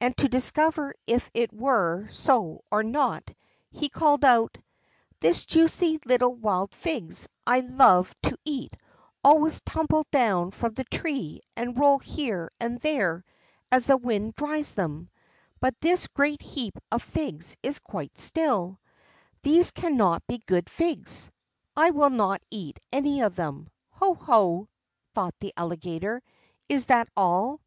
And to discover if it were so or not, he called out: "The juicy little wild figs I love to eat always tumble down from the tree, and roll here and there as the wind drives them; but this great heap of figs is quite still; these cannot be good figs; I will not eat any of them." "Ho, ho!" thought the Alligator, "is that all?